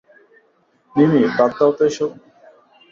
মিমি, বাদ দাও তো এসব!